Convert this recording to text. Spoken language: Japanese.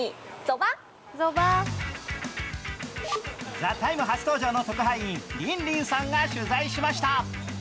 「ＴＨＥＴＩＭＥ，」初登場の特派員、りんりんさんが取材しました。